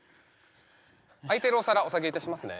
空いてるお皿お下げしますね。